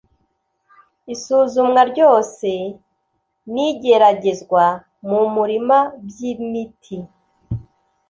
Isuzumwa ryose n igeragezwa mu murima by imiti